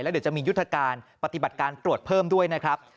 เดี๋ยวจะมียุทธการปฏิบัติการตรวจเพิ่มด้วยนะครับ